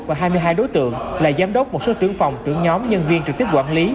và hai mươi hai đối tượng là giám đốc một số trưởng phòng trưởng nhóm nhân viên trực tiếp quản lý